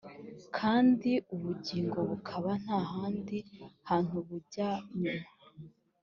kandi ubugingo bukaba nta handi hantu bujya nyuma